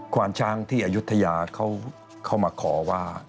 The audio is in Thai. ความช้างที่อายุทยาเขามาขอว่า